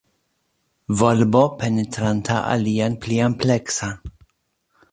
Volbo penetranta alian pli ampleksan.